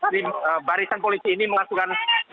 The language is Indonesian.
di barisan polisi ini mengasuhkan